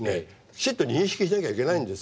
きちんと認識しなきゃいけないんですよ。